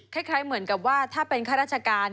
คล้ายเหมือนกับว่าถ้าเป็นข้าราชการ